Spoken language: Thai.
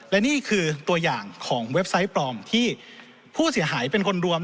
และนี่คือตัวอย่างของเว็บไซต์ปลอมที่ผู้เสียหายเป็นคนรวม